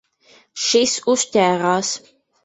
Šis uzķērās.